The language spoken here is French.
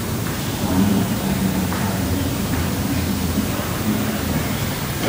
Dans l'Eure, Albert Parissot est un personnage politique clef local.